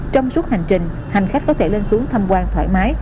trong suốt hành trình hành khách có thể lên xuống tham quan thoải mái